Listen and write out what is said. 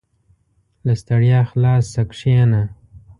• له ستړیا خلاص شه، کښېنه.